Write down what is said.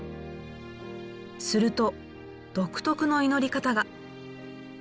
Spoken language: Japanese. すると独特の祈り方が。